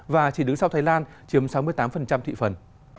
và chỉ đứng sau thái lan chiếm sáu mươi tám thị phần